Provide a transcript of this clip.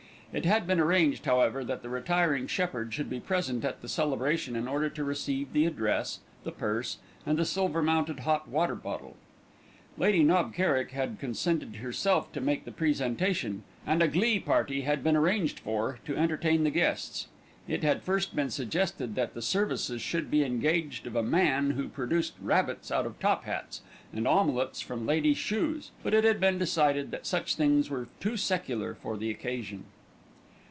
It had been arranged, however, that the retiring shepherd should be present at the celebration in order to receive the address, the purse and the silver mounted hot water bottle. Lady Knob Kerrick had consented herself to make the presentation, and a glee party had been arranged for to entertain the guests. It had first been suggested that the services should be engaged of a man who produced rabbits out of top hats, and omelettes from ladies' shoes; but it had been decided that such things were too secular for the occasion.